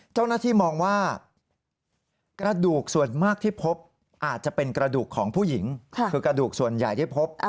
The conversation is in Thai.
เจ้าหน้าที่มองว่ากระดูกส่วนมากที่พบอาจจะเป็นกระดูกของผู้หญิงคือกระดูกส่วนใหญ่ที่พบ